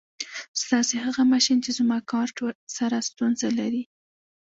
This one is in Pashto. ستاسې هغه ماشین زما کارټ سره ستونزه لري.